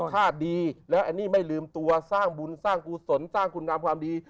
ชาติดีแล้วอันนี้ไม่ลืมตัวสร้างบุญสร้างกุศลสร้างคุณงามความดี